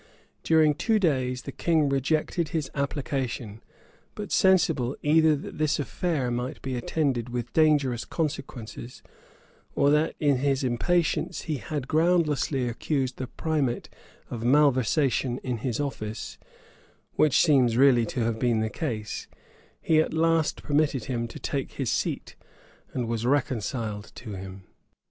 During two days the king rejected his application: but sensible, either that this affair might be attended with dangerous consequences, or that in his impatience he had groundlessly accused the primate of malversation in his office, which seems really to have been the case, he at last permitted him to take his seat, and was reconciled to him.